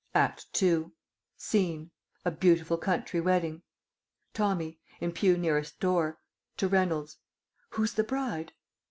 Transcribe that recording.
ACT II. SCENE A beautiful country wedding. Tommy (in pew nearest door, to Reynolds). Who's the bride?